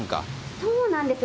そうなんですよ。